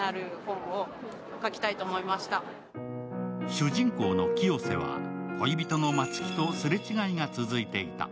主人公の清瀬は恋人の松木とすれ違いが続いていた。